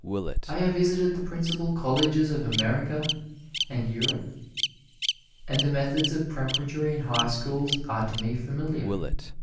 I have visited the principal colleges of America and Europe, and the methods of Preparatory and High Schools are to me familiar.